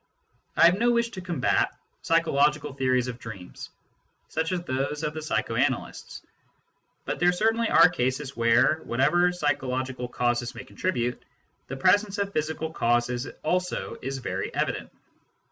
I have no wish to combat psychological theories of dreams, such as those of the psycho analysts. But there certainly are cases where (whatever psychological causes may contribute) the presence of physical causes also is very evident.